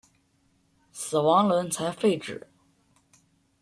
死亡轮才废止。